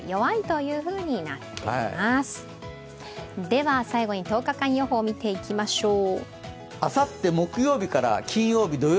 では、最後に１０日間予報を見ていきましょう。